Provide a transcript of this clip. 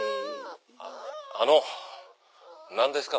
あのなんですか？